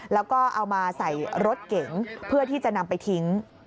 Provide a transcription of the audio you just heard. แล้วก็เอามาใส่รถเก๋งเพื่อที่จะนำไปทิ้ง